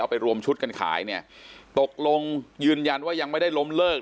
ไปรวมชุดกันขายเนี่ยตกลงยืนยันว่ายังไม่ได้ล้มเลิก